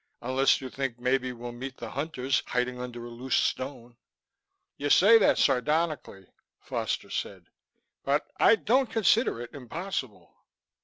"Unless you think maybe we'll meet the Hunters hiding under a loose stone." "You say that sardonically," Foster said. "But I don't consider it impossible."